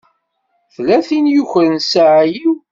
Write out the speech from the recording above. Tella tin i yukren ssaɛa-w.